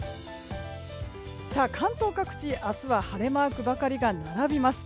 関東各地、明日は晴れマークばかりが並びます。